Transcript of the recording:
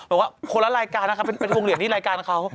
บอกว่าคนละรายการนะครับเป็นวงเหรียญที่รายการเขา